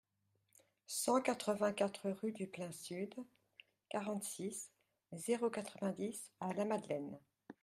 cent quatre-vingt-quatre rue du Plein Sud, quarante-six, zéro quatre-vingt-dix à Lamagdelaine